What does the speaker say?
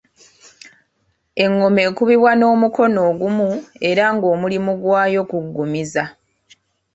Engoma ekubibwa n’omukono ogumu era ng’omulimu gwayo kuggumiza.